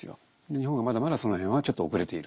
日本はまだまだその辺はちょっと遅れていると。